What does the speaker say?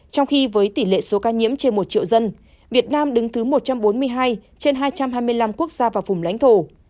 trong khi với tỷ lệ số ca nhiễm trên một triệu dân việt nam đứng thứ một trăm bốn mươi hai trên hai trăm hai mươi năm quốc gia và vùng lãnh thổ